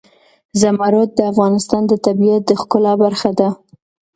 زمرد د افغانستان د طبیعت د ښکلا برخه ده.